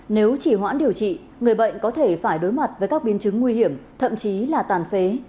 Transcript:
nếu chỉ hoãn điều trị người bệnh có thể phải đối mặt với các biến chứng nguy hiểm thậm chí là tàn phế